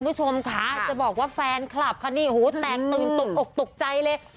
คุณผู้ชมค่ะจะบอกว่าแฟนคลับค่ะนี่หูแตกตื่นตกอกตกใจเลย